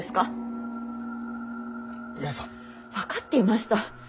分かっていました